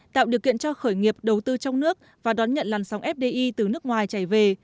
tạo điều kiện cho khởi nghiệp đầu tư trong nước và đón nhận làn sóng fdi từ nước ngoài chảy về